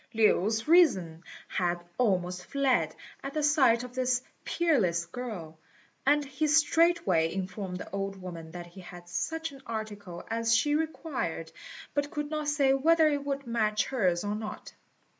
Lin's reason had almost fled at the sight of this peerless girl, and he straightway informed the old woman that he had such an article as she required, but could not say whether it would match hers or not.